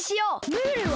ムールは？